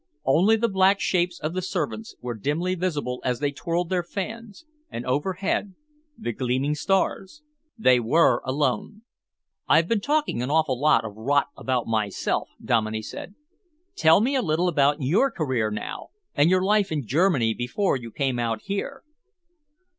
Only the black shapes of the servants were dimly visible as they twirled their fans, and overhead the gleaming stars. They were alone. "I've been talking an awful lot of rot about myself," Dominey said. "Tell me a little about your career now and your life in Germany before you came out here?"